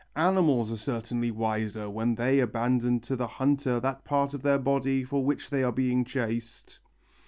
Animals are certainly wiser when they abandon to the hunter that part of their body for which they are being chased."